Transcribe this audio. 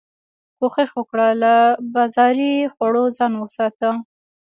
کوښښ وکړه له بازاري خوړو ځان وساتي